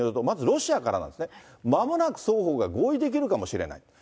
まずロシアからなんですね、まもなく双方が合意できるかもしれない。